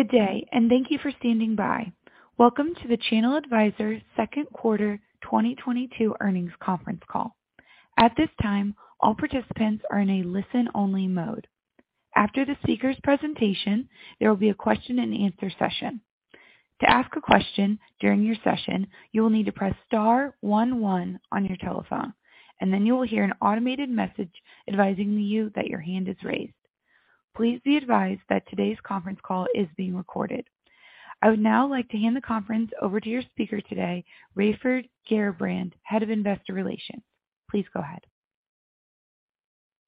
Good day, and thank you for standing by. Welcome to the ChannelAdvisor second quarter 2022 earnings conference call. At this time, all participants are in a listen-only mode. After the speaker's presentation, there will be a question-and-answer session. To ask a question during your session, you will need to press star one one on your telephone, and then you will hear an automated message advising you that your hand is raised. Please be advised that today's conference call is being recorded. I would now like to hand the conference over to your speaker today, Raiford Garrabrant, Head of Investor Relations. Please go ahead.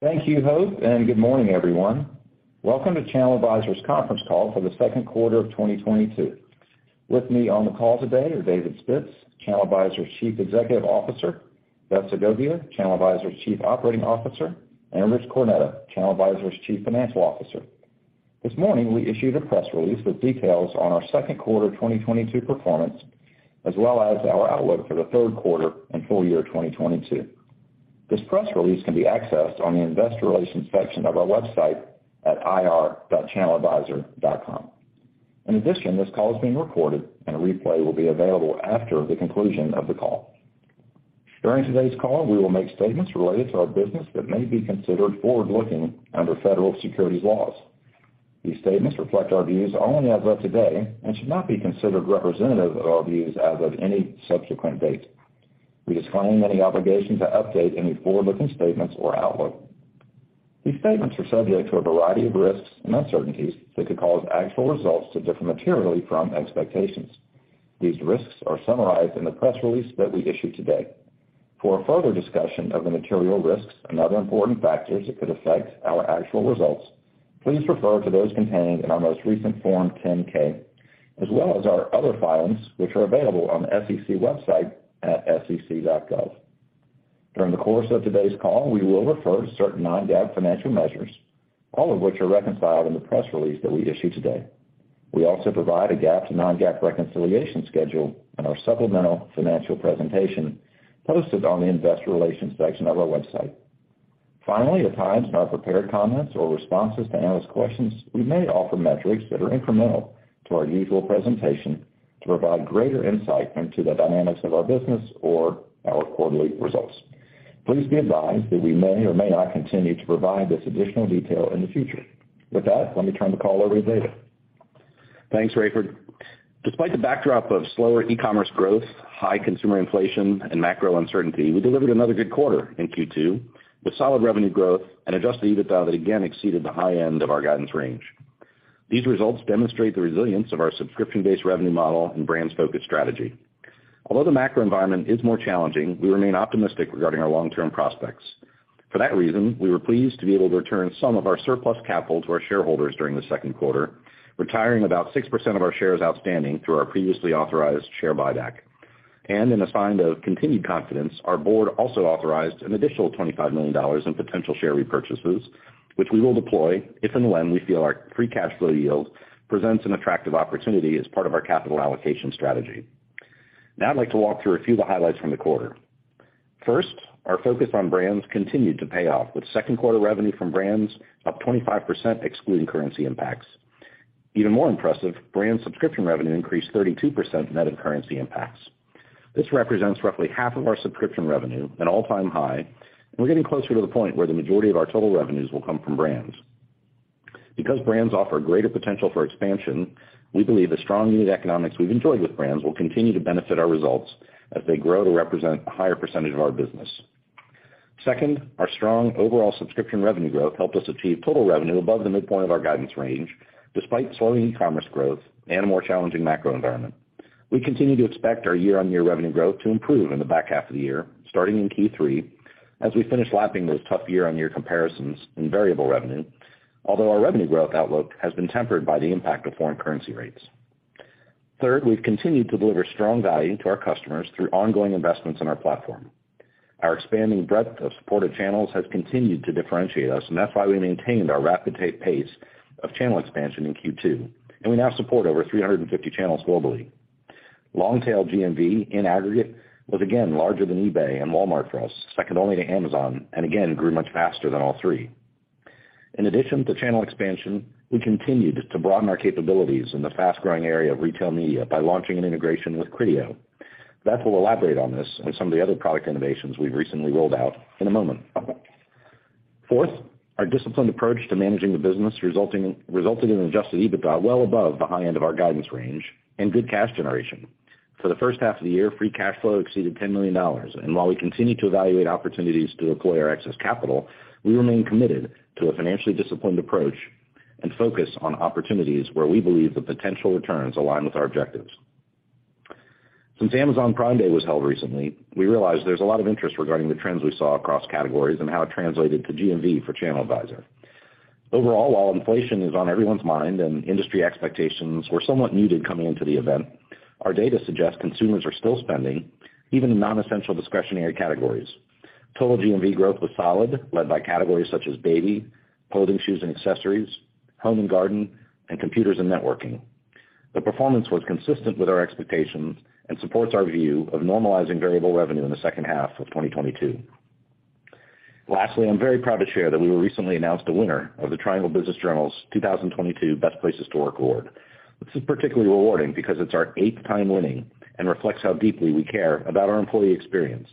Thank you, Hope, and good morning, everyone. Welcome to ChannelAdvisor's conference call for the second quarter of 2022. With me on the call today are David Spitz, ChannelAdvisor's Chief Executive Officer, Beth Segovia, ChannelAdvisor's Chief Operating Officer, and Rich Cornetta, ChannelAdvisor's Chief Financial Officer. This morning, we issued a press release with details on our second quarter 2022 performance, as well as our outlook for the third quarter and full year 2022. This press release can be accessed on the investor relations section of our website at ir.channeladvisor.com. In addition, this call is being recorded, and a replay will be available after the conclusion of the call. During today's call, we will make statements related to our business that may be considered forward-looking under federal securities laws. These statements reflect our views only as of today and should not be considered representative of our views as of any subsequent date. We disclaim any obligation to update any forward-looking statements or outlook. These statements are subject to a variety of risks and uncertainties that could cause actual results to differ materially from expectations. These risks are summarized in the press release that we issued today. For a further discussion of the material risks and other important factors that could affect our actual results, please refer to those contained in our most recent Form 10-K as well as our other filings, which are available on the SEC website at sec.gov. During the course of today's call, we will refer to certain non-GAAP financial measures, all of which are reconciled in the press release that we issued today. We also provide a GAAP to non-GAAP reconciliation schedule in our supplemental financial presentation posted on the investor relations section of our website. Finally, at times in our prepared comments or responses to analyst questions, we may offer metrics that are incremental to our usual presentation to provide greater insight into the dynamics of our business or our quarterly results. Please be advised that we may or may not continue to provide this additional detail in the future. With that, let me turn the call over to David. Thanks, Raiford. Despite the backdrop of slower e-commerce growth, high consumer inflation, and macro uncertainty, we delivered another good quarter in Q2 with solid revenue growth and adjusted EBITDA that again exceeded the high end of our guidance range. These results demonstrate the resilience of our subscription-based revenue model and brands-focused strategy. Although the macro environment is more challenging, we remain optimistic regarding our long-term prospects. For that reason, we were pleased to be able to return some of our surplus capital to our shareholders during the second quarter, retiring about 6% of our shares outstanding through our previously authorized share buyback. In a sign of continued confidence, our board also authorized an additional $25 million in potential share repurchases, which we will deploy if and when we feel our free cash flow yield presents an attractive opportunity as part of our capital allocation strategy. Now I'd like to walk through a few of the highlights from the quarter. First, our focus on brands continued to pay off, with second quarter revenue from brands up 25% excluding currency impacts. Even more impressive, brands subscription revenue increased 32% net of currency impacts. This represents roughly half of our subscription revenue, an all-time high, and we're getting closer to the point where the majority of our total revenues will come from brands. Because brands offer greater potential for expansion, we believe the strong unit economics we've enjoyed with brands will continue to benefit our results as they grow to represent a higher percentage of our business. Second, our strong overall subscription revenue growth helped us achieve total revenue above the midpoint of our guidance range, despite slowing e-commerce growth and a more challenging macro environment. We continue to expect our year-over-year revenue growth to improve in the back half of the year, starting in Q3, as we finish lapping those tough year-over-year comparisons in variable revenue. Although our revenue growth outlook has been tempered by the impact of foreign currency rates. Third, we've continued to deliver strong value to our customers through ongoing investments in our platform. Our expanding breadth of supported channels has continued to differentiate us, and that's why we maintained our rapid pace of channel expansion in Q2, and we now support over 350 channels globally. Long-tail GMV in aggregate was again larger than eBay and Walmart for us, second only to Amazon, and again, grew much faster than all three. In addition to channel expansion, we continued to broaden our capabilities in the fast-growing area of retail media by launching an integration with Criteo. Beth will elaborate on this and some of the other product innovations we've recently rolled out in a moment. Fourth, our disciplined approach to managing the business resulting in adjusted EBITDA well above the high end of our guidance range and good cash generation. For the first half of the year, free cash flow exceeded $10 million. While we continue to evaluate opportunities to deploy our excess capital, we remain committed to a financially disciplined approach and focus on opportunities where we believe the potential returns align with our objectives. Since Amazon Prime Day was held recently, we realize there's a lot of interest regarding the trends we saw across categories and how it translated to GMV for ChannelAdvisor. Overall, while inflation is on everyone's mind and industry expectations were somewhat muted coming into the event, our data suggests consumers are still spending, even in non-essential discretionary categories. Total GMV growth was solid, led by categories such as baby, clothing, shoes, and accessories, home and garden, and computers and networking. The performance was consistent with our expectations and supports our view of normalizing variable revenue in the second half of 2022. Lastly, I'm very proud to share that we were recently announced the winner of the Triangle Business Journal's 2022 Best Places to Work award. This is particularly rewarding because it's our eighth time winning and reflects how deeply we care about our employee experience.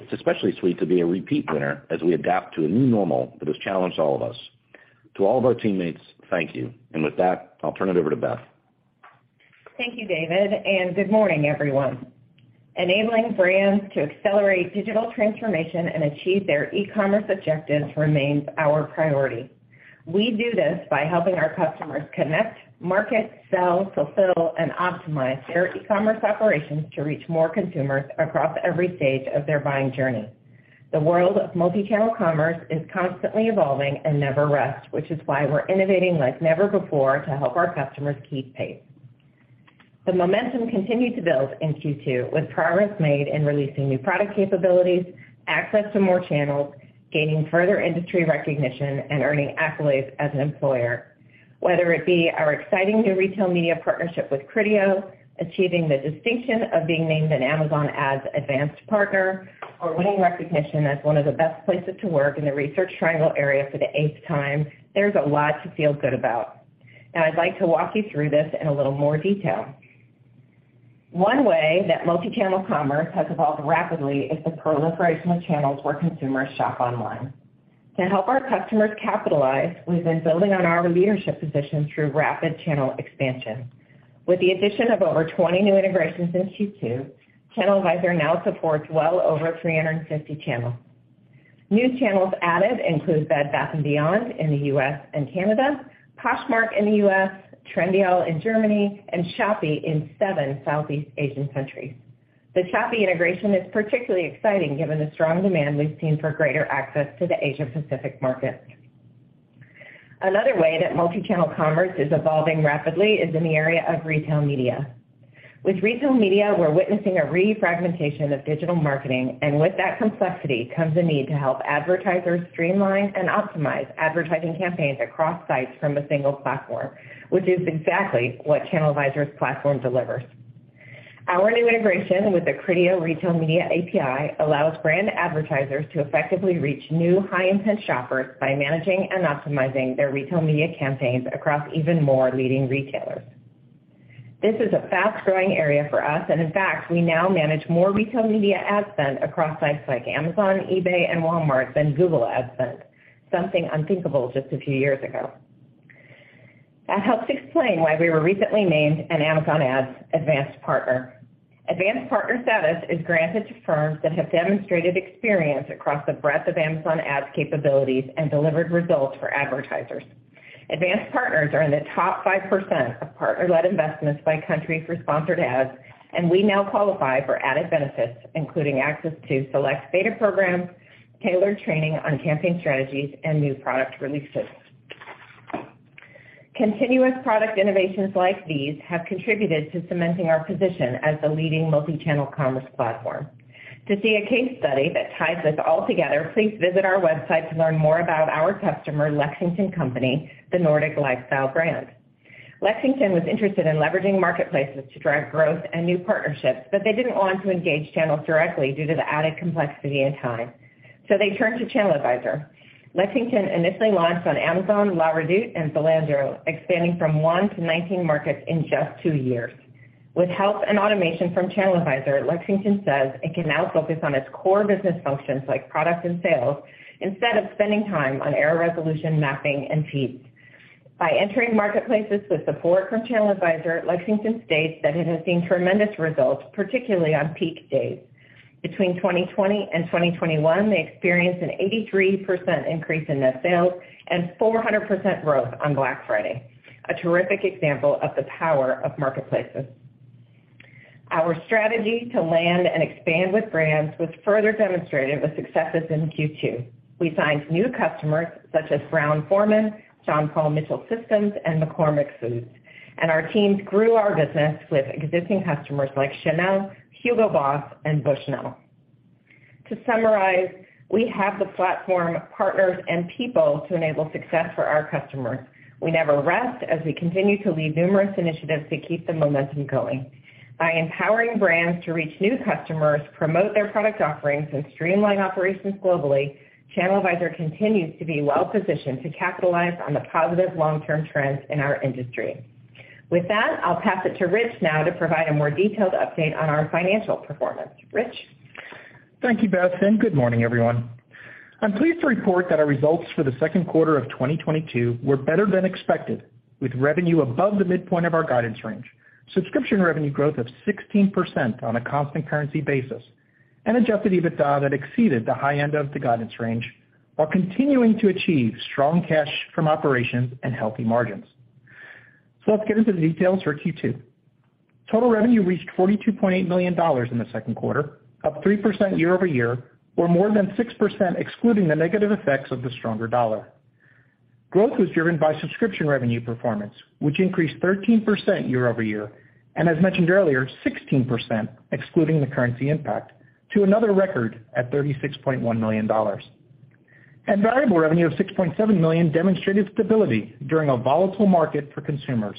It's especially sweet to be a repeat winner as we adapt to a new normal that has challenged all of us. To all of our teammates, thank you. With that, I'll turn it over to Beth. Thank you, David, and good morning, everyone. Enabling brands to accelerate digital transformation and achieve their e-commerce objectives remains our priority. We do this by helping our customers connect, market, sell, fulfill, and optimize their e-commerce operations to reach more consumers across every stage of their buying journey. The world of multi-channel commerce is constantly evolving and never rests, which is why we're innovating like never before to help our customers keep pace. The momentum continued to build in Q2, with progress made in releasing new product capabilities, access to more channels, gaining further industry recognition, and earning accolades as an employer. Whether it be our exciting new retail media partnership with Criteo, achieving the distinction of being named an Amazon Ads Advanced Partner or winning recognition as one of the Best Places to Work in the Research Triangle area for the 8th time, there's a lot to feel good about. Now I'd like to walk you through this in a little more detail. One way that multi-channel commerce has evolved rapidly is the proliferation of channels where consumers shop online. To help our customers capitalize, we've been building on our leadership position through rapid channel expansion. With the addition of over 20 new integrations in Q2, ChannelAdvisor now supports well over 350 channels. New channels added include Bed Bath & Beyond in the U.S. and Canada, Poshmark in the U.S., Trendyol in Germany, and Shopee in seven Southeast Asian countries. The Shopee integration is particularly exciting given the strong demand we've seen for greater access to the Asia Pacific market. Another way that multi-channel commerce is evolving rapidly is in the area of retail media. With retail media, we're witnessing a refragmentation of digital marketing, and with that complexity comes a need to help advertisers streamline and optimize advertising campaigns across sites from a single platform, which is exactly what ChannelAdvisor's platform delivers. Our new integration with the Criteo Retail Media API allows brand advertisers to effectively reach new high-intent shoppers by managing and optimizing their retail media campaigns across even more leading retailers. This is a fast-growing area for us, and in fact, we now manage more retail media ad spend across sites like Amazon, eBay, and Walmart than Google ad spend. Something unthinkable just a few years ago. That helps explain why we were recently named an Amazon Ads Advanced partner. Advanced partner status is granted to firms that have demonstrated experience across the breadth of Amazon Ads capabilities and delivered results for advertisers. Advanced partners are in the top 5% of partner-led investments by country for sponsored ads, and we now qualify for added benefits, including access to select beta programs, tailored training on campaign strategies, and new product releases. Continuous product innovations like these have contributed to cementing our position as the leading multi-channel commerce platform. To see a case study that ties this all together, please visit our website to learn more about our customer, Lexington Company, the Nordic lifestyle brand. Lexington was interested in leveraging marketplaces to drive growth and new partnerships, but they didn't want to engage channels directly due to the added complexity and time. They turned to ChannelAdvisor. Lexington initially launched on Amazon, La Redoute, and Zalando, expanding from 1 to 19 markets in just two years. With help and automation from ChannelAdvisor, Lexington says it can now focus on its core business functions like product and sales instead of spending time on error resolution, mapping, and feeds. By entering marketplaces with support from ChannelAdvisor, Lexington states that it has seen tremendous results, particularly on peak days. Between 2020 and 2021, they experienced an 83% increase in net sales and 400% growth on Black Friday. A terrific example of the power of marketplaces. Our strategy to land and expand with brands was further demonstrated with successes in Q2. We signed new customers such as Brown-Forman, John Paul Mitchell Systems, and McCormick Foods, and our teams grew our business with existing customers like Chanel, Hugo Boss, and Bushnell. To summarize, we have the platform, partners, and people to enable success for our customers. We never rest as we continue to lead numerous initiatives to keep the momentum going. By empowering brands to reach new customers, promote their product offerings, and streamline operations globally, ChannelAdvisor continues to be well positioned to capitalize on the positive long-term trends in our industry. With that, I'll pass it to Rich now to provide a more detailed update on our financial performance. Rich? Thank you, Beth, and good morning, everyone. I'm pleased to report that our results for the second quarter of 2022 were better than expected, with revenue above the midpoint of our guidance range, subscription revenue growth of 16% on a constant currency basis, and adjusted EBITDA that exceeded the high end of the guidance range while continuing to achieve strong cash from operations and healthy margins. Let's get into the details for Q2. Total revenue reached $42.8 million in the second quarter, up 3% year-over-year or more than 6% excluding the negative effects of the stronger dollar. Growth was driven by subscription revenue performance, which increased 13% year-over-year, and as mentioned earlier, 16% excluding the currency impact to another record at $36.1 million. Variable revenue of $6.7 million demonstrated stability during a volatile market for consumers.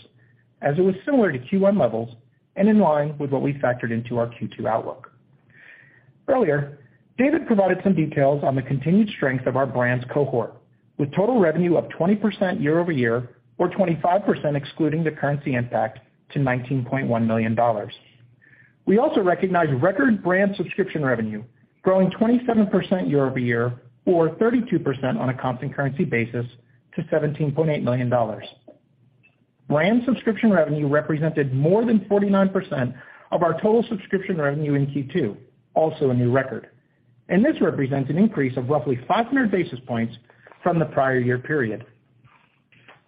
As it was similar to Q1 levels and in line with what we factored into our Q2 outlook. Earlier, David provided some details on the continued strength of our brands cohort, with total revenue up 20% year-over-year or 25% excluding the currency impact to $19.1 million. We also recognized record brand subscription revenue growing 27% year-over-year or 32% on a constant currency basis to $17.8 million. Brand subscription revenue represented more than 49% of our total subscription revenue in Q2, also a new record. This represents an increase of roughly 500 basis points from the prior year period.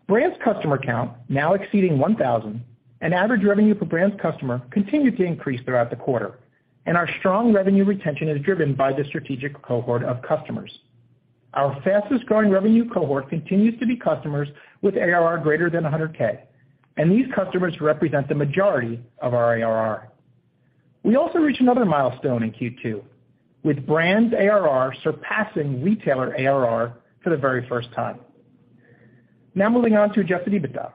Brands customer count now exceeding 1,000, and average revenue per brands customer continued to increase throughout the quarter, and our strong revenue retention is driven by the strategic cohort of customers. Our fastest growing revenue cohort continues to be customers with ARR greater than 100K, and these customers represent the majority of our ARR. We also reached another milestone in Q2 with brands ARR surpassing retailer ARR for the very first time. Now moving on to adjusted EBITDA.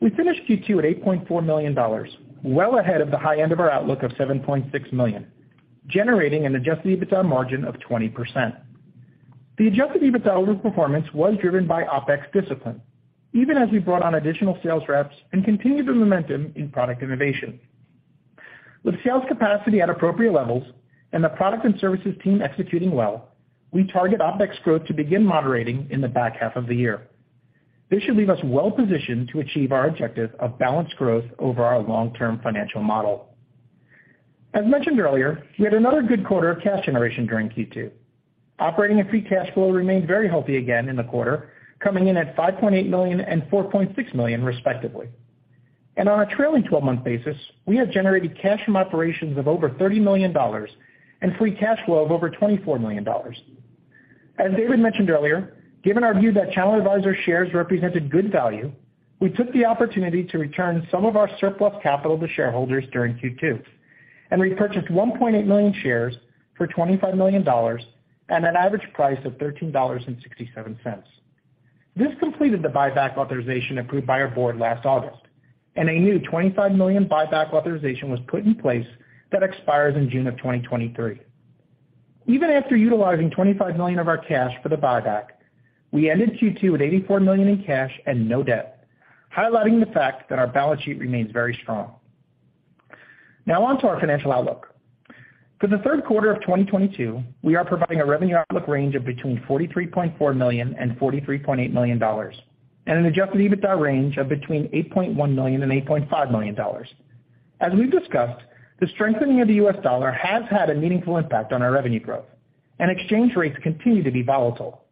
We finished Q2 at $8.4 million, well ahead of the high end of our outlook of $7.6 million, generating an adjusted EBITDA margin of 20%. The adjusted EBITDA overperformance was driven by OpEx discipline. Even as we brought on additional sales reps and continued the momentum in product innovation. With sales capacity at appropriate levels and the product and services team executing well, we target OpEx growth to begin moderating in the back half of the year. This should leave us well-positioned to achieve our objective of balanced growth over our long-term financial model. As mentioned earlier, we had another good quarter of cash generation during Q2. Operating and free cash flow remained very healthy again in the quarter, coming in at $5.8 million and $4.6 million, respectively. On a trailing 12-month basis, we have generated cash from operations of over $30 million and free cash flow of over $24 million. As David mentioned earlier, given our view that ChannelAdvisor shares represented good value, we took the opportunity to return some of our surplus capital to shareholders during Q2, and repurchased 1.8 million shares for $25 million at an average price of $13.67. This completed the buyback authorization approved by our board last August, and a new $25 million buyback authorization was put in place that expires in June 2023. Even after utilizing $25 million of our cash for the buyback, we ended Q2 with $84 million in cash and no debt, highlighting the fact that our balance sheet remains very strong. Now on to our financial outlook. For the third quarter of 2022, we are providing a revenue outlook range of between $43.4 million and $43.8 million and an adjusted EBITDA range of between $8.1 million and $8.5 million. As we've discussed, the strengthening of the U.S. dollar has had a meaningful impact on our revenue growth, and exchange rates continue to be volatile.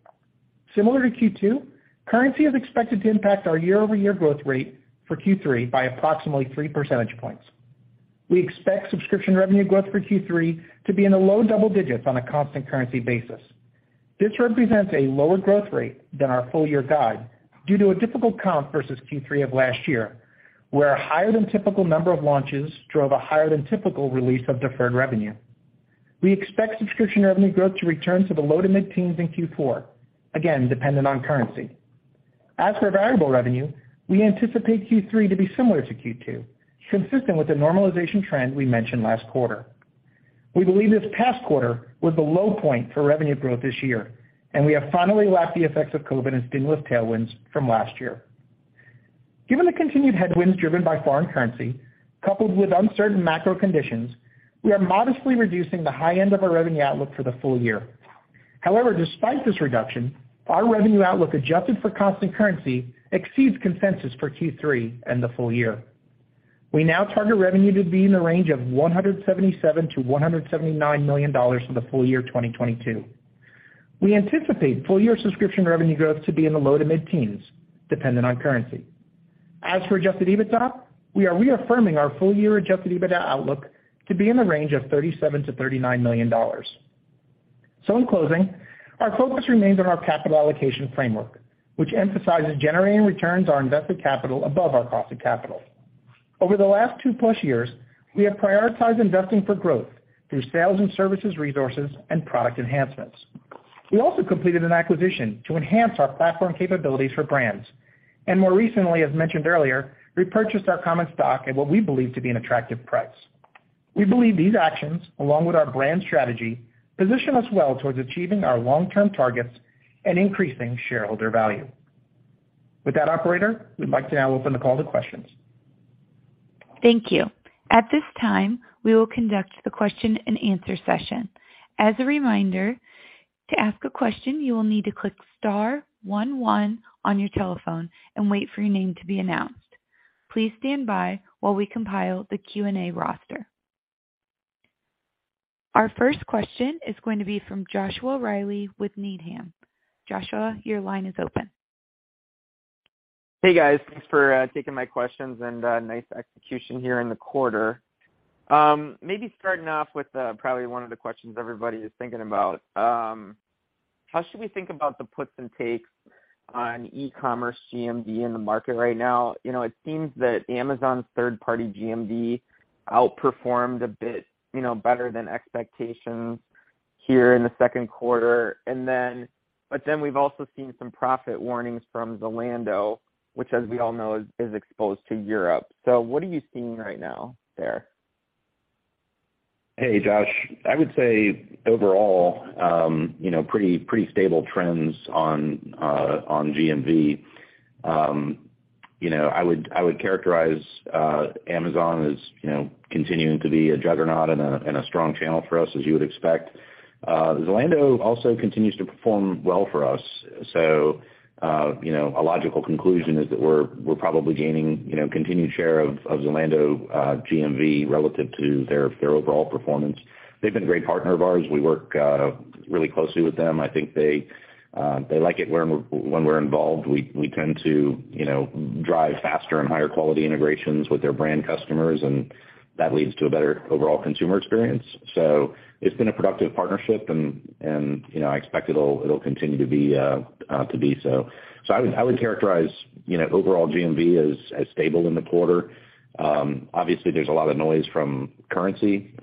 Similar to Q2, currency is expected to impact our year-over-year growth rate for Q3 by approximately three percentage points. We expect subscription revenue growth for Q3 to be in the low double digits on a constant currency basis. This represents a lower growth rate than our full year guide due to a difficult count versus Q3 of last year, where a higher than typical number of launches drove a higher than typical release of deferred revenue. We expect subscription revenue growth to return to the low to mid-teens in Q4, again, dependent on currency. As for variable revenue, we anticipate Q3 to be similar to Q2, consistent with the normalization trend we mentioned last quarter. We believe this past quarter was the low point for revenue growth this year, and we have finally lapped the effects of COVID and stimulus tailwinds from last year. Given the continued headwinds driven by foreign currency, coupled with uncertain macro conditions, we are modestly reducing the high end of our revenue outlook for the full year. However, despite this reduction, our revenue outlook adjusted for constant currency exceeds consensus for Q3 and the full year. We now target revenue to be in the range of $177 million-$179 million for the full year 2022. We anticipate full year subscription revenue growth to be in the low to mid-teens, dependent on currency. As for adjusted EBITDA, we are reaffirming our full-year adjusted EBITDA outlook to be in the range of $37 million-$39 million. In closing, our focus remains on our capital allocation framework, which emphasizes generating returns on invested capital above our cost of capital. Over the last 2+ years, we have prioritized investing for growth through sales and services resources and product enhancements. We also completed an acquisition to enhance our platform capabilities for brands, and more recently, as mentioned earlier, repurchased our common stock at what we believe to be an attractive price. We believe these actions, along with our brand strategy, position us well towards achieving our long-term targets and increasing shareholder value. With that, operator, we'd like to now open the call to questions. Thank you. At this time, we will conduct the question-and-answer session. As a reminder, to ask a question, you will need to click star one one on your telephone and wait for your name to be announced. Please stand by while we compile the Q&A roster. Our first question is going to be from Joshua Reilly with Needham. Joshua, your line is open. Hey, guys. Thanks for taking my questions, and nice execution here in the quarter. Maybe starting off with probably one of the questions everybody is thinking about. How should we think about the puts and takes on e-commerce GMV in the market right now? You know, it seems that Amazon's third-party GMV outperformed a bit, you know, better than expectations. Here in the second quarter, but then we've also seen some profit warnings from Zalando, which, as we all know, is exposed to Europe. What are you seeing right now there? Hey, Josh. I would say overall, you know, pretty stable trends on GMV. You know, I would characterize Amazon as, you know, continuing to be a juggernaut and a strong channel for us as you would expect. Zalando also continues to perform well for us. You know, a logical conclusion is that we're probably gaining, you know, continued share of Zalando GMV relative to their overall performance. They've been a great partner of ours. We work really closely with them. I think they like it when we're involved. We tend to, you know, drive faster and higher quality integrations with their brand customers, and that leads to a better overall consumer experience. It's been a productive partnership and, you know, I expect it'll continue to be so. I would characterize, you know, overall GMV as stable in the quarter. Obviously there's a lot of noise from currency,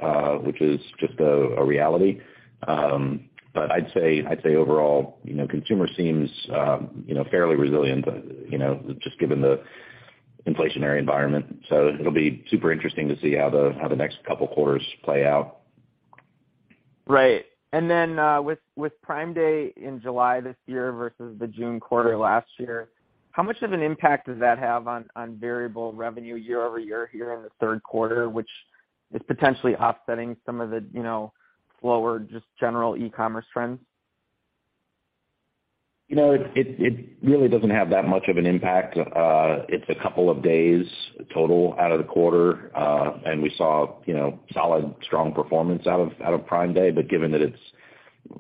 which is just a reality. But I'd say overall, you know, consumer seems, you know, fairly resilient, you know, just given the inflationary environment. It'll be super interesting to see how the next couple quarters play out. Right. With Prime Day in July this year versus the June quarter last year, how much of an impact does that have on variable revenue year-over-year here in the third quarter, which is potentially offsetting some of the, you know, slower just general e-commerce trends? You know, it really doesn't have that much of an impact. It's a couple of days total out of the quarter. We saw, you know, solid, strong performance out of Prime Day. Given that it's,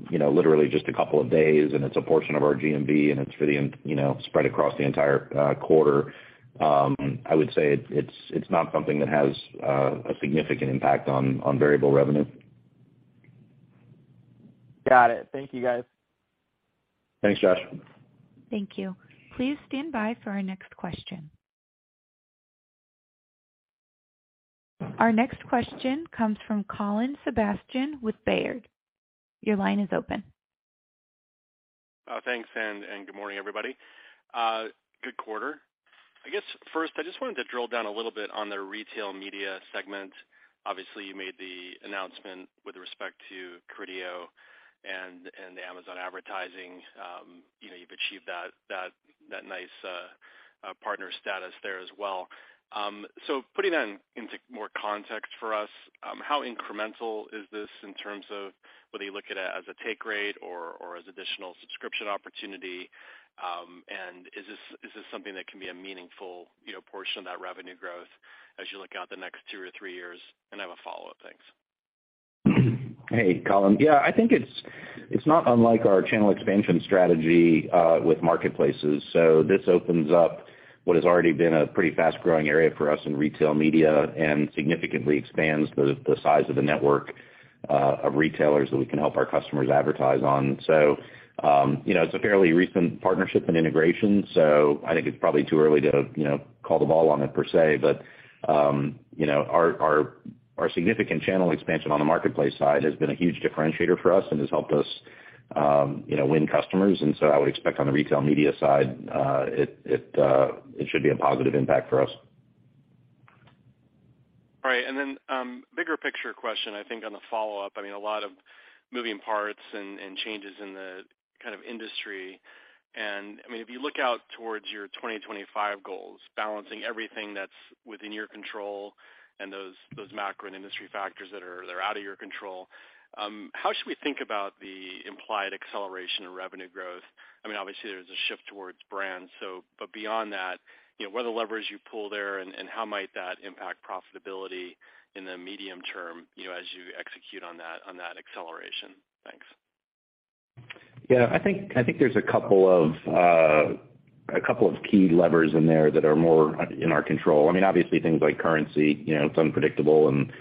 you know, literally just a couple of days and it's a portion of our GMV and it's pretty, you know, spread across the entire quarter, I would say it's not something that has a significant impact on variable revenue. Got it. Thank you, guys. Thanks, Josh. Thank you. Please stand by for our next question. Our next question comes from Colin Sebastian with Baird. Your line is open. Thanks, and good morning, everybody. Good quarter. I guess first, I just wanted to drill down a little bit on the retail media segment. Obviously, you made the announcement with respect to Criteo and Amazon advertising. You know, you've achieved that nice partner status there as well. Putting that into more context for us, how incremental is this in terms of whether you look at it as a take rate or as additional subscription opportunity? Is this something that can be a meaningful portion of that revenue growth as you look out the next two or three years? I have a follow-up. Thanks. Hey, Colin. Yeah, I think it's not unlike our channel expansion strategy with marketplaces. This opens up what has already been a pretty fast-growing area for us in retail media and significantly expands the size of the network of retailers that we can help our customers advertise on. You know, it's a fairly recent partnership and integration, so I think it's probably too early to you know call the ball on it per se. You know, our significant channel expansion on the marketplace side has been a huge differentiator for us and has helped us you know win customers. I would expect on the retail media side it should be a positive impact for us. All right. Bigger picture question, I think on the follow-up, I mean, a lot of moving parts and changes in the kind of industry. I mean, if you look out towards your 2025 goals, balancing everything that's within your control and those macro and industry factors that are out of your control, how should we think about the implied acceleration in revenue growth? I mean, obviously, there's a shift towards brands, so but beyond that, you know, what are the levers you pull there, and how might that impact profitability in the medium term, you know, as you execute on that acceleration? Thanks. Yeah, I think there's a couple of key levers in there that are more in our control. I mean, obviously things like currency, you know, it's unpredictable and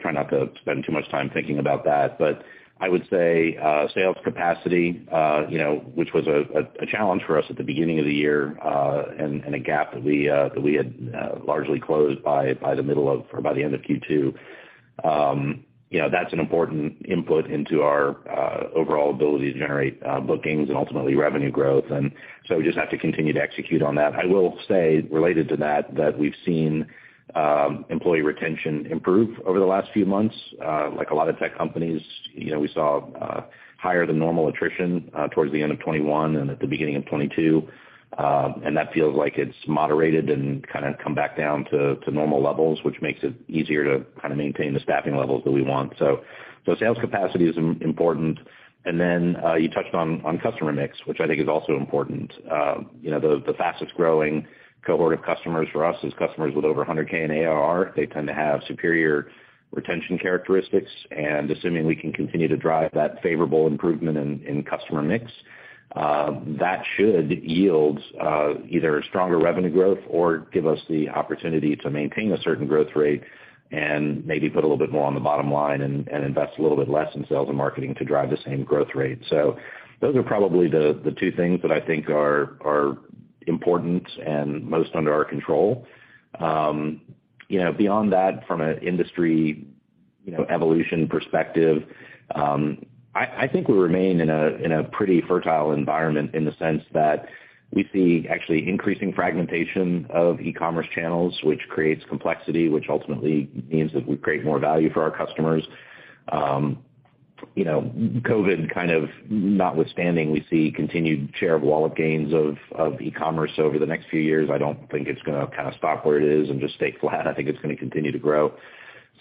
try not to spend too much time thinking about that. But I would say sales capacity, you know, which was a challenge for us at the beginning of the year, and a gap that we had largely closed by the middle of or by the end of Q2. You know, that's an important input into our overall ability to generate bookings and ultimately revenue growth. We just have to continue to execute on that. I will say related to that we've seen employee retention improve over the last few months. Like a lot of tech companies, you know, we saw higher than normal attrition towards the end of 2021 and at the beginning of 2022. That feels like it's moderated and kinda come back down to normal levels, which makes it easier to kinda maintain the staffing levels that we want. Sales capacity is important. You touched on customer mix, which I think is also important. You know, the fastest-growing cohort of customers for us is customers with over 100K in ARR. They tend to have superior retention characteristics, and assuming we can continue to drive that favorable improvement in customer mix, that should yield either stronger revenue growth or give us the opportunity to maintain a certain growth rate and maybe put a little bit more on the bottom line and invest a little bit less in sales and marketing to drive the same growth rate. Those are probably the two things that I think are important and most under our control. You know, beyond that, from an industry, you know, evolution perspective, I think we remain in a pretty fertile environment in the sense that we see actually increasing fragmentation of e-commerce channels, which creates complexity, which ultimately means that we create more value for our customers. You know, COVID kind of notwithstanding, we see continued share of wallet gains of e-commerce over the next few years. I don't think it's gonna kind of stop where it is and just stay flat. I think it's gonna continue to grow.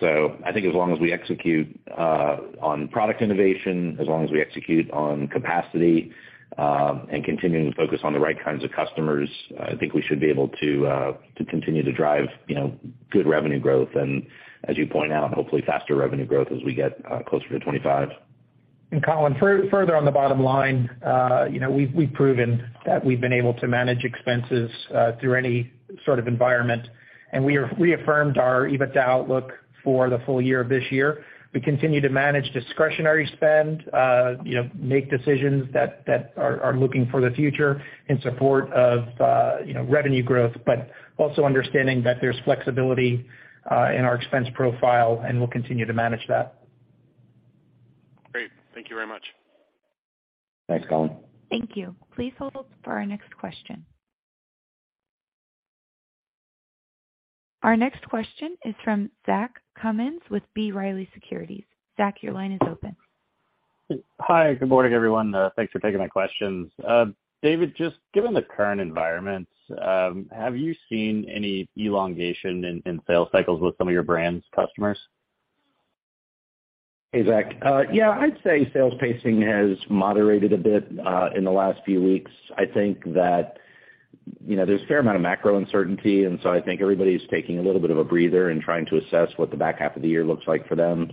I think as long as we execute on product innovation, as long as we execute on capacity, and continuing to focus on the right kinds of customers, I think we should be able to to continue to drive, you know, good revenue growth and as you point out, hopefully faster revenue growth as we get closer to 2025. Colin, further on the bottom line, you know, we've proven that we've been able to manage expenses through any sort of environment, and we reaffirmed our EBITDA outlook for the full year of this year. We continue to manage discretionary spend, you know, make decisions that are looking for the future in support of, you know, revenue growth, but also understanding that there's flexibility in our expense profile, and we'll continue to manage that. Great. Thank you very much. Thanks, Colin. Thank you. Please hold for our next question. Our next question is from Zach Cummins with B. Riley Securities. Zach, your line is open. Hi, good morning, everyone. Thanks for taking my questions. David, just given the current environment, have you seen any elongation in sales cycles with some of your brands' customers? Hey, Zach. Yeah, I'd say sales pacing has moderated a bit in the last few weeks. I think that, you know, there's a fair amount of macro uncertainty, and so I think everybody's taking a little bit of a breather and trying to assess what the back half of the year looks like for them.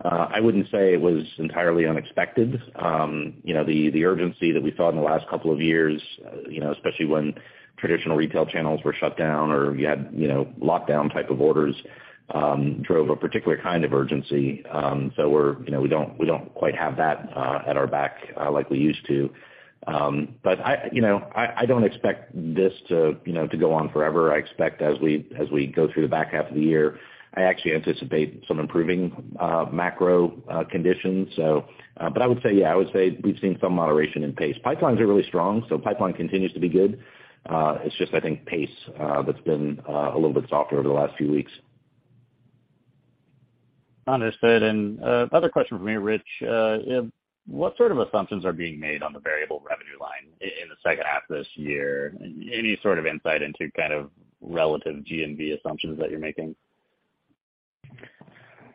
I wouldn't say it was entirely unexpected. You know, the urgency that we saw in the last couple of years, you know, especially when traditional retail channels were shut down or you had, you know, lockdown type of orders drove a particular kind of urgency. So we're, you know, we don't quite have that at our back like we used to. But I you know I don't expect this to, you know, to go on forever. I expect as we go through the back half of the year, I actually anticipate some improving macro conditions. I would say, yeah, we've seen some moderation in pace. Pipelines are really strong, so pipeline continues to be good. It's just, I think, pace that's been a little bit softer over the last few weeks. Understood. Another question from me, Rich. What sort of assumptions are being made on the variable revenue line in the second half of this year? Any sort of insight into kind of relative GMV assumptions that you're making?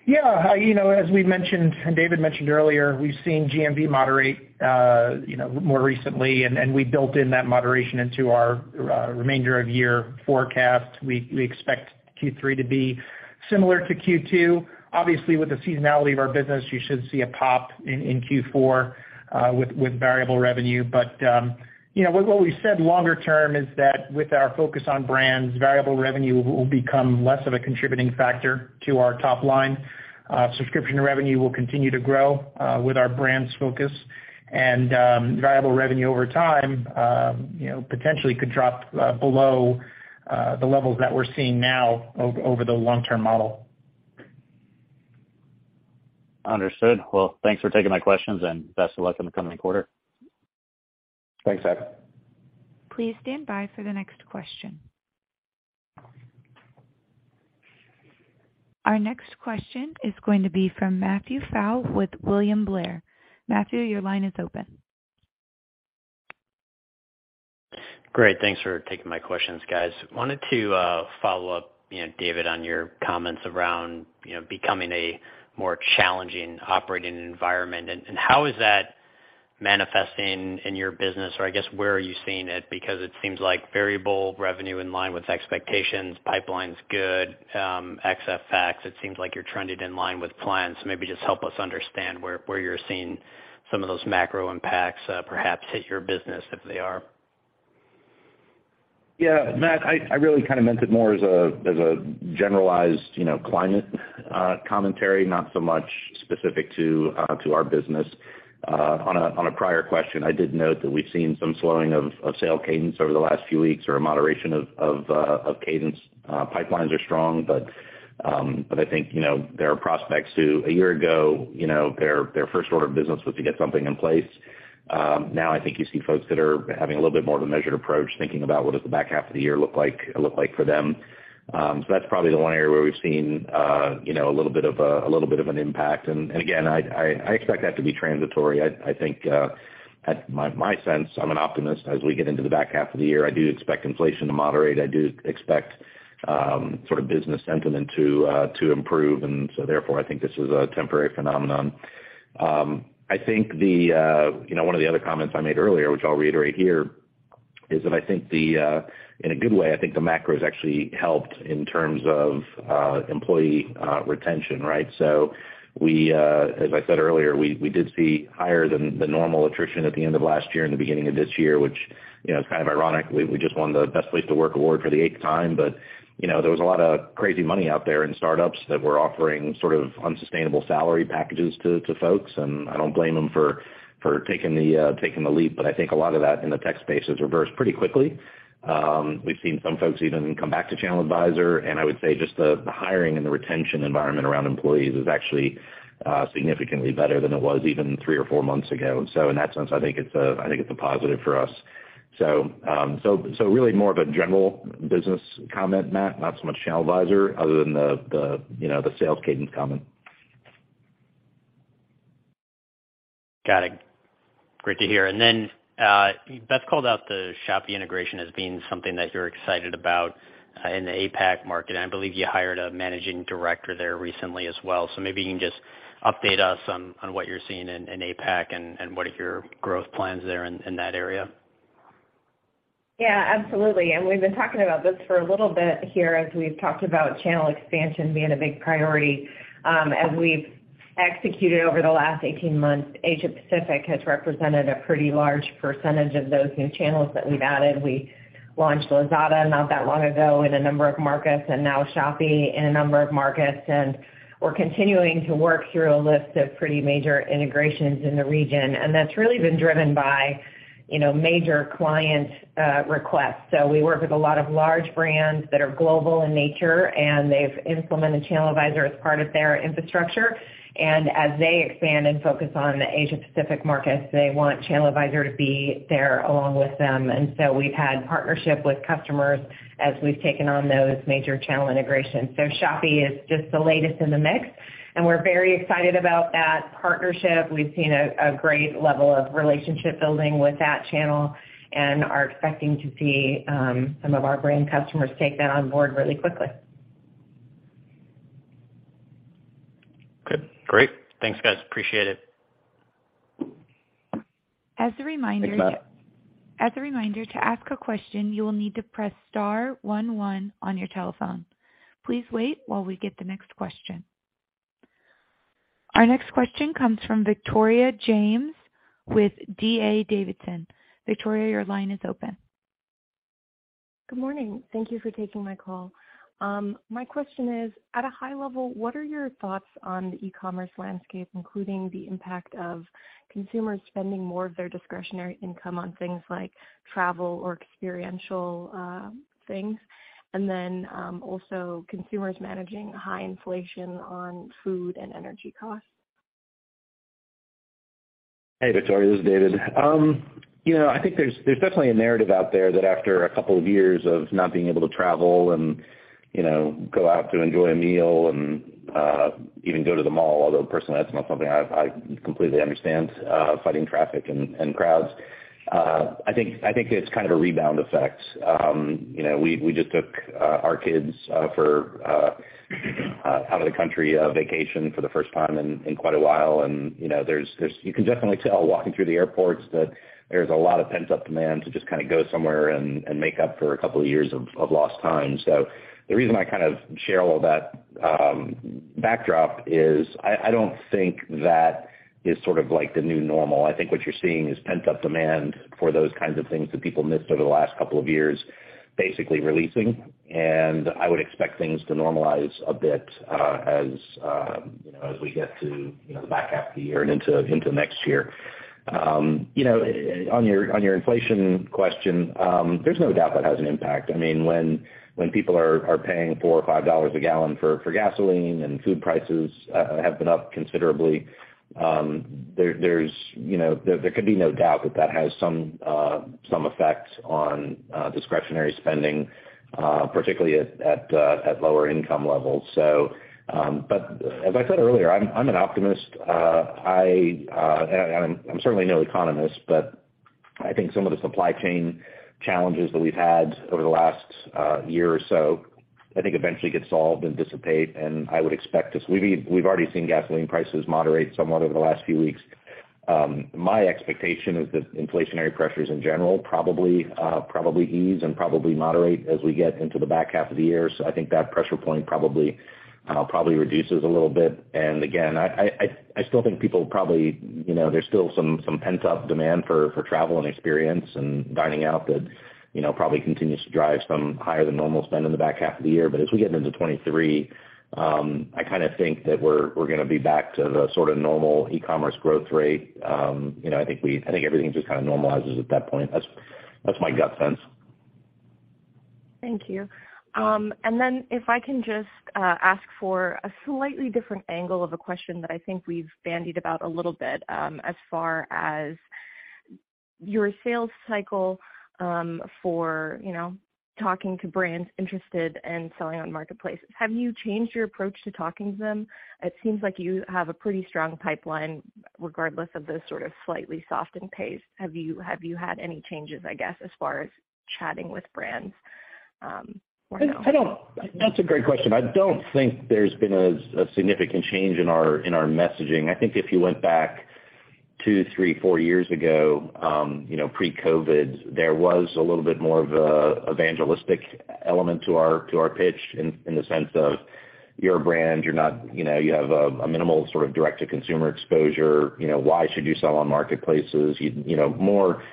Yeah. You know, as we mentioned and David mentioned earlier, we've seen GMV moderate, you know, more recently, and we built in that moderation into our remainder of year forecast. We expect Q3 to be similar to Q2. Obviously, with the seasonality of our business, you should see a pop in Q4 with variable revenue. You know, we said longer term is that with our focus on brands, variable revenue will become less of a contributing factor to our top line. Subscription revenue will continue to grow with our brands focus, and variable revenue over time, you know, potentially could drop below the levels that we're seeing now over the long-term model. Understood. Well, thanks for taking my questions, and best of luck in the coming quarter. Thanks, Zach. Please stand by for the next question. Our next question is going to be from Matthew Pfau with William Blair. Matthew, your line is open. Great. Thanks for taking my questions, guys. Wanted to follow up, you know, David, on your comments around, you know, becoming a more challenging operating environment. How is that manifesting in your business? Or I guess, where are you seeing it? Because it seems like variable revenue in line with expectations, pipeline's good, XFX, it seems like you're trending in line with plans. Maybe just help us understand where you're seeing some of those macro impacts, perhaps hit your business if they are. Yeah, Matt, I really kind of meant it more as a generalized, you know, climate commentary, not so much specific to our business. On a prior question, I did note that we've seen some slowing of sale cadence over the last few weeks or a moderation of cadence. Pipelines are strong, but I think, you know, there are prospects who, a year ago, you know, their first order of business was to get something in place. Now I think you see folks that are having a little bit more of a measured approach, thinking about what does the back half of the year look like for them. That's probably the one area where we've seen, you know, a little bit of an impact. Again, I expect that to be transitory. I think it's my sense, I'm an optimist as we get into the back half of the year. I do expect inflation to moderate. I do expect sort of business sentiment to improve, and so therefore, I think this is a temporary phenomenon. I think, you know, one of the other comments I made earlier, which I'll reiterate here, is that I think, in a good way, I think the macro has actually helped in terms of employee retention, right? As I said earlier, we did see higher than the normal attrition at the end of last year and the beginning of this year, which, you know, it's kind of ironic. We just won the Best Places to Work award for the eighth time. You know, there was a lot of crazy money out there in startups that were offering sort of unsustainable salary packages to folks, and I don't blame them for taking the leap. I think a lot of that in the tech space has reversed pretty quickly. We've seen some folks even come back to ChannelAdvisor, and I would say just the hiring and the retention environment around employees is actually significantly better than it was even three or four months ago. In that sense, I think it's a positive for us. Really more of a general business comment, Matt, not so much ChannelAdvisor other than the, you know, the sales cadence comment. Got it. Great to hear. Beth called out the Shopee integration as being something that you're excited about in the APAC market. I believe you hired a managing director there recently as well. Maybe you can just update us on what you're seeing in APAC and what are your growth plans there in that area? Yeah, absolutely, we've been talking about this for a little bit here as we've talked about channel expansion being a big priority. As we've executed over the last 18 months, Asia-Pacific has represented a pretty large percentage of those new channels that we've added. We launched Lazada not that long ago in a number of markets and now Shopee in a number of markets. We're continuing to work through a list of pretty major integrations in the region, and that's really been driven by, you know, major client requests. We work with a lot of large brands that are global in nature, and they've implemented ChannelAdvisor as part of their infrastructure. As they expand and focus on the Asia-Pacific markets, they want ChannelAdvisor to be there along with them. We've had partnership with customers as we've taken on those major channel integrations. Shopee is just the latest in the mix, and we're very excited about that partnership. We've seen a great level of relationship building with that channel and are expecting to see some of our brand customers take that on board really quickly. Good. Great. Thanks, guys. Appreciate it. As a reminder. Thanks, Matt. As a reminder, to ask a question, you will need to press star one one on your telephone. Please wait while we get the next question. Our next question comes from Victoria James with D.A. Davidson. Victoria, your line is open. Good morning. Thank you for taking my call. My question is, at a high level, what are your thoughts on the e-commerce landscape, including the impact of consumers spending more of their discretionary income on things like travel or experiential, things? Also, consumers managing high inflation on food and energy costs. Hey, Victoria, this is David. You know, I think there's definitely a narrative out there that after a couple of years of not being able to travel and, you know, go out to enjoy a meal and even go to the mall, although personally that's not something I completely understand fighting traffic and crowds. I think it's kind of a rebound effect. You know, we just took our kids for out of the country vacation for the first time in quite a while. You know, there's You can definitely tell walking through the airports that there's a lot of pent-up demand to just kinda go somewhere and make up for a couple of years of lost time. The reason I kind of share all that, backdrop is I don't think that is sort of like the new normal. I think what you're seeing is pent-up demand for those kinds of things that people missed over the last couple of years, basically releasing. I would expect things to normalize a bit, as you know, as we get to you know, the back half of the year and into next year. You know, on your inflation question, there's no doubt that has an impact. I mean, when people are paying $4 or $5 a gallon for gasoline and food prices have been up considerably, there's, you know, there could be no doubt that that has some effects on discretionary spending, particularly at lower income levels. As I said earlier, I'm an optimist. I'm certainly no economist, but I think some of the supply chain challenges that we've had over the last year or so eventually get solved and dissipate. I would expect. We've already seen gasoline prices moderate somewhat over the last few weeks. My expectation is that inflationary pressures in general probably ease and probably moderate as we get into the back half of the year. I think that pressure point probably reduces a little bit. Again, I still think people probably, you know, there's still some pent-up demand for travel and experience and dining out that, you know, probably continues to drive some higher than normal spend in the back half of the year. As we get into 2023, I kinda think that we're gonna be back to the sorta normal e-commerce growth rate. You know, I think everything just kinda normalizes at that point. That's my gut sense. Thank you. If I can just ask for a slightly different angle of a question that I think we've bandied about a little bit, as far as your sales cycle, for you know, talking to brands interested in selling on marketplaces. Have you changed your approach to talking to them? It seems like you have a pretty strong pipeline regardless of the sort of slightly softening pace. Have you had any changes, I guess, as far as chatting with brands, or no? That's a great question. I don't think there's been a significant change in our messaging. I think if you went back two, three, four years ago, you know, pre-COVID, there was a little bit more of an evangelistic element to our pitch in the sense of your brand. You're not, you know, you have a minimal sort of direct to consumer exposure, you know, why should you sell on marketplaces? You know, more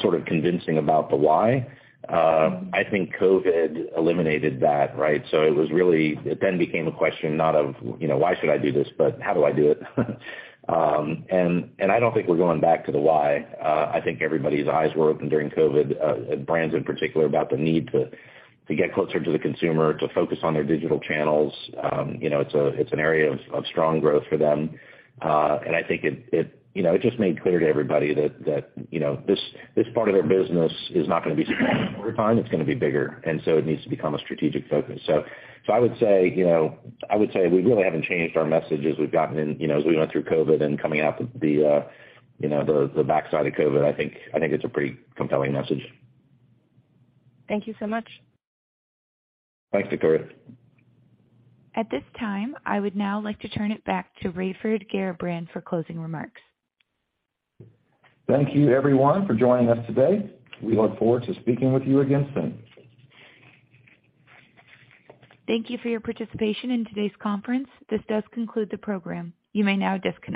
sort of convincing about the why. I think COVID eliminated that, right? It then became a question not of, you know, why should I do this, but how do I do it? I don't think we're going back to the why. I think everybody's eyes were opened during COVID, brands in particular, about the need to get closer to the consumer, to focus on their digital channels. You know, it's an area of strong growth for them. I think it just made clear to everybody that this part of their business is not gonna be smaller over time, it's gonna be bigger, and so it needs to become a strategic focus. I would say we really haven't changed our message as we went through COVID and coming out the backside of COVID. I think it's a pretty compelling message. Thank you so much. Thanks, Victoria. At this time, I would now like to turn it back to Raiford Garrabrant for closing remarks. Thank you everyone for joining us today. We look forward to speaking with you again soon. Thank you for your participation in today's conference. This does conclude the program. You may now disconnect.